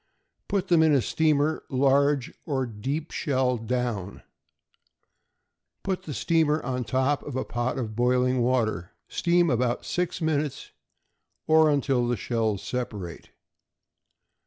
Put them in a steamer, large or deep shell down. Put the steamer on top of a pot of boiling water; steam about six minutes, or until the shells separate.